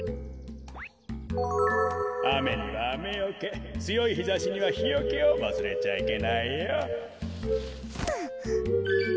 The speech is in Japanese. あめにはあめよけつよいひざしにはひよけをわすれちゃいけないよ。